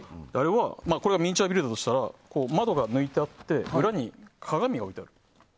これがミニチュアビルだとしたら窓が抜いてあって裏に鏡が置いてある。